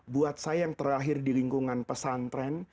buat saya yang terakhir di lingkungan pesantren